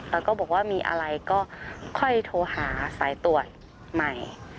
แล้วก็บอกว่ามีอะไรก็ค่อยโทรหาสายตรวจใหม่